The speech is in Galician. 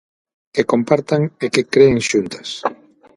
Que compartan e que creen xuntas.